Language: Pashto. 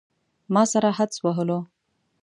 ما سره حدس وهلو.